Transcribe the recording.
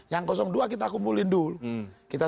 yang dua kita kumpulin dulu